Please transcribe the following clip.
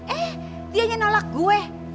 eh dia hanya nolak gue